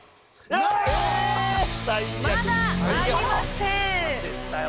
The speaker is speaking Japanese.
あー！まだありません。